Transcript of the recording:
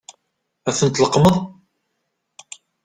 Ad tent-tleqqmeḍ?